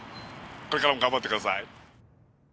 これからも頑張ってください。